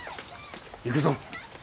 行くぞ。